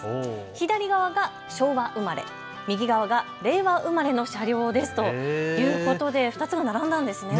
左側が昭和生まれ、右側が令和生まれの車両です。ということで２つが並んだんですね。